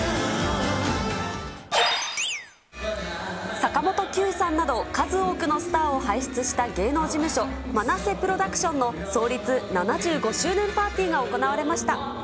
坂本九さんなど、数多くのスターを輩出した芸能事務所、マナセプロダクションの創立７５周年パーティーが行われました。